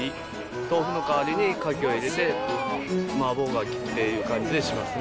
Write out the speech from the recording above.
豆腐の代わりにカキを入れて、麻婆ガキという感じにしますね。